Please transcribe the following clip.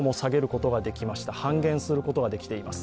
今日も半減することができています。